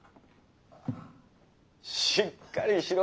しっかりしろ。